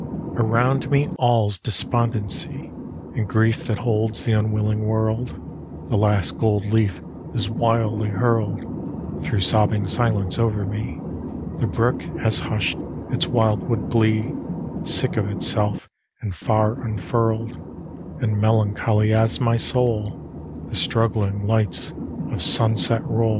Around me all's despondency, And grief that holds the unwilling world: The last gold leaf is wildly hurled Through sobbing silence over me: The brook has hushed its wildwood glee, Sick of itself; and far unfurled, And melancholy as my soul, The struggling lights of sunset roll.